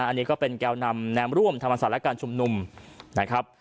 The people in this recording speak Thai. อันนี้ก็เป็นแก่นำแนมร่วมธรรมศาสตร์และการชุมนุมนะครับ